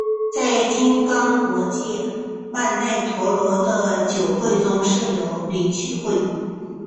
在金刚界曼荼罗的九会中设有理趣会。